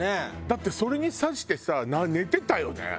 だってそれに差してさ寝てたよね。